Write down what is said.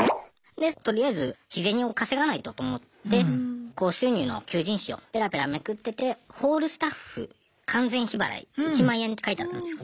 でとりあえず日銭を稼がないとと思って高収入の求人誌をペラペラめくっててホールスタッフ完全日払い１万円って書いてあったんですよ。